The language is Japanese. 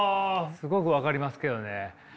すごく分かりますけどね。